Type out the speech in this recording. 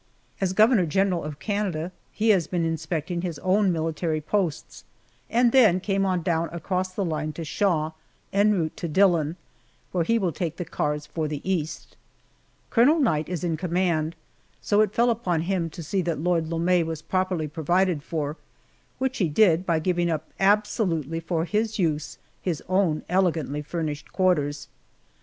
As governor general of Canada, he had been inspecting his own military posts, and then came on down across the line to Shaw, en route to Dillon, where he will take the cars for the East. Colonel Knight is in command, so it fell upon him to see that Lord Lome was properly provided for, which he did by giving up absolutely for his use his own elegantly furnished quarters.